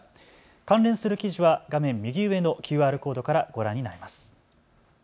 関連する記事は画面右上のＱＲコードからご覧になれます。